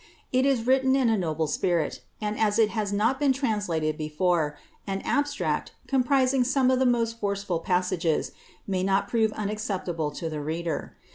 It is written in a noble spirit, and as it las never been translated before, an abstract, comprising some of the ■est forcible passages, may not prove unacceptable to the reader.